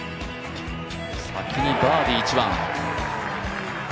先にバーディー、１番。